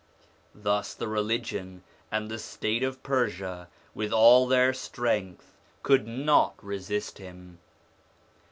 Thus the religion and the state of Persia with all their strength could not resist him.